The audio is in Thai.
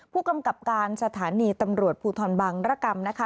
ผู้กำกับการสถานีตำรวจภูทรบังรกรรมนะคะ